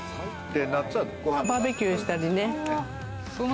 バーベキューしたりね。